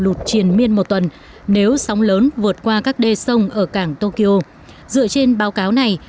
lụt triền miên một tuần nếu sóng lớn vượt qua các đê sông ở cảng tokyo dựa trên báo cáo này